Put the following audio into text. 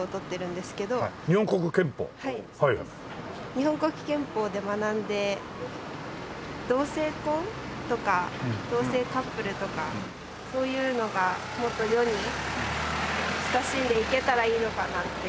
日本国憲法で学んで同性婚とか同性カップルとかそういうのがもっと世に親しんでいけたらいいのかなっていう。